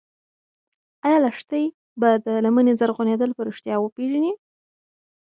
ایا لښتې به د لمنې زرغونېدل په رښتیا وپېژني؟